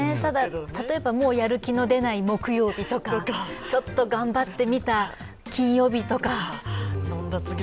例えば、もうやる気の出ない木曜日とか、ちょっと頑張ってみた金曜日とか。